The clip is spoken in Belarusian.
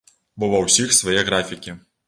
Бо ва ўсіх свае графікі.